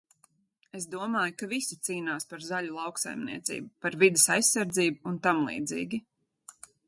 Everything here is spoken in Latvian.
Es domāju, ka visi cīnās par zaļu lauksaimniecību, par vides aizsardzību un tamlīdzīgi.